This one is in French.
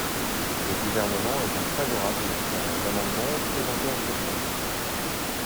Le Gouvernement est donc favorable aux différents amendements présentés en ce sens.